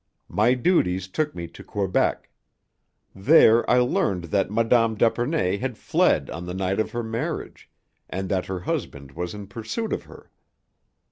"My duties took me to Quebec. There I learned that Mme. d'Epernay had fled on the night of her marriage, and that her husband was in pursuit of her.